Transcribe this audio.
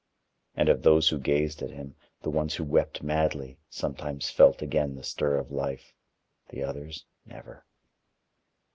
And of those who gazed at him, the ones who wept madly, sometimes felt again the stir of life; the others never.